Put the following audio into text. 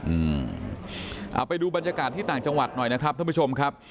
อืมเอาไปดูบรรยากาศที่ต่างจังหวัดหน่อยนะครับท่านผู้ชมครับ